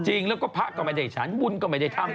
จริงแล้วก็พระก็ไม่ได้ฉันบุญก็ไม่ได้ทำ